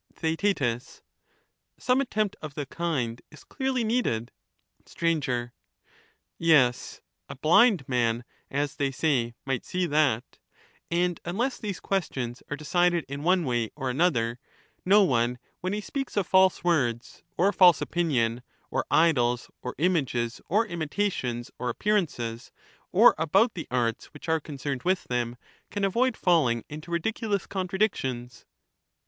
TheaeU Some attempt of the kind is clearly needed. Sir. Yes, a blind man, as they say, might see that, and, unless these questions are decided in one way or another, no one when he speaks of false words, or false opinion, or idols, or images, or imitations, or appearances, or about the Digitized by VjOOQIC Early philosophy a new kind of mythology. 371 arts which are concerned with them, can avoid falling into Sophist, ridiculous contradictions.